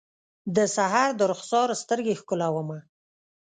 د سحر درخسار سترګې ښکلومه